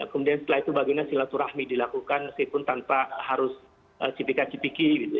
kemudian setelah itu bagaimana silaturahmi dilakukan meskipun tanpa harus cipika cipiki gitu